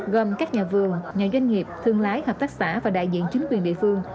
gồm các nhà vườn nhà doanh nghiệp thương lái hợp tác xã và đại diện chính quyền địa phương